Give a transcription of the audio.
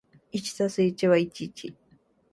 一足す一は一ー